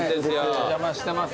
お邪魔してます。